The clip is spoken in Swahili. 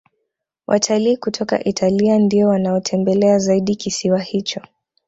Watalii kutoka italia ndiyo wanaotembelea zaidi kisiwa hicho